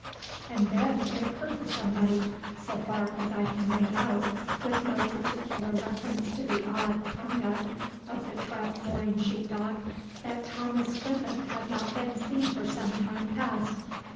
And then it occurred to somebody, so far as I can make out with no particular reference to the odd conduct of the Treff Loyne sheepdog, that Thomas Griffith had not been seen for some time past.